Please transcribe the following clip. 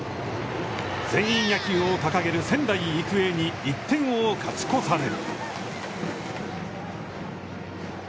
全員野球を掲げる仙台育英に１点を勝ち越される。